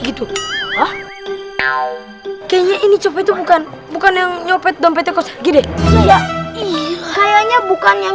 gitu hah kayaknya ini coba itu bukan bukan yang nyopet dompetnya kos gede kayaknya bukan yang